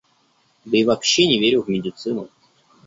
Да и вообще не верю в медицину.